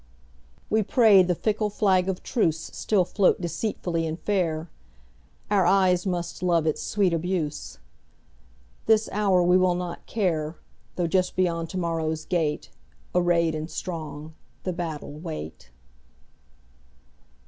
We pray the fickle flag of truceStill float deceitfully and fair; Our eyes must love its sweet abuse; This hour we will not care, Though just beyond to morrow's gate, Arrayed and strong, the battle wait.